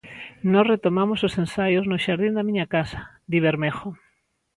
"Nós retomamos os ensaios no xardín da miña casa", di Bermejo.